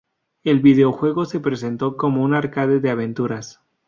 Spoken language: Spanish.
El videojuego se presentó como un arcade de aventuras.